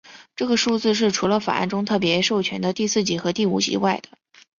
这个数字是除了法案中特别授权的第四级和第五级外的。